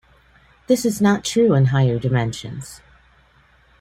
This is not true in higher dimensions.